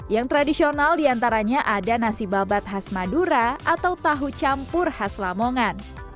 yang tradisional diantaranya ada nasi babat khas madura atau tahu campur khas lamongan